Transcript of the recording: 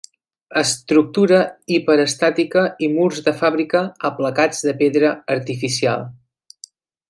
Estructura hiperestàtica i murs de fàbrica aplacats de pedra artificial.